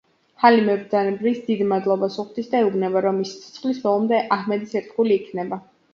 ჰალიმე მბრძანებელს დიდ მადლობას უხდის და ეუბნება, რომ ის სიცოცხლის ბოლომდე აჰმედის ერთგული იქნება.